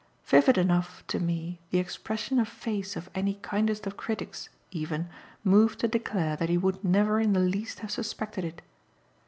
Vivid enough to me the expression of face of any kindest of critics, even, moved to declare that he would never in the least have suspected it.